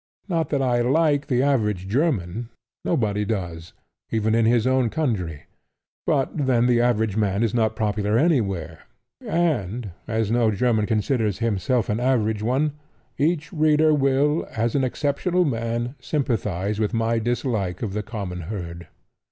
Not that I like the average German: nobody does, even in his own country. But then the average man is not popular anywhere; and as no German considers himself an average one, each reader will, as an exceptional man, sympathize with my dislike of the common herd.